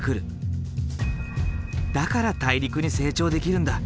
だから大陸に成長できるんだ。